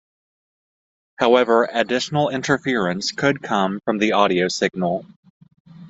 However, additional interference could come from the audio signal.